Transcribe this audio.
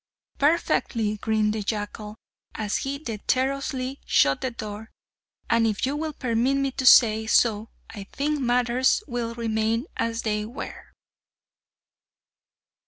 "Perfectly!" grinned the jackal, as he dexterously shut the door, "and if you will permit me to say so, I think matters will remain as they were!"